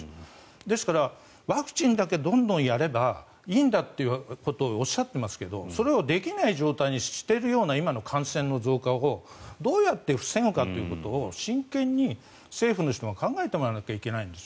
ですから、ワクチンだけどんどんやればいいんだということをおっしゃってますけど、それをできない状態にしてるような今の感染の増加をどうやって防ぐかということを真剣に政府の人に考えてもらわないといけないんです。